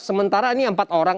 sementara ini empat orang